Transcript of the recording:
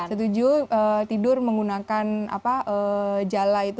setuju tidur menggunakan jala itu